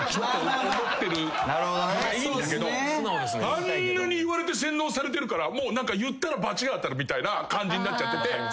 あんなに言われて洗脳されてるからもう何か言ったら罰が当たるみたいな感じになっちゃってて。